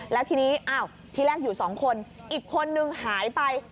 แล้วทีนี้อ้าวที่แรกอยู่๒คนอีกคนนึงหายไป